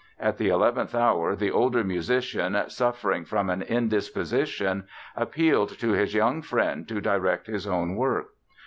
At the eleventh hour the older musician, suffering from an indisposition, appealed to his young friend to direct his own work.